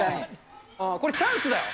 これ、チャンスだよ。